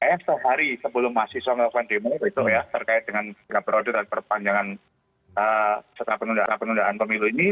eh sehari sebelum masih selalu melakukan demo itu ya terkait dengan tiga periode dan perpanjangan setelah penundaan pemilu ini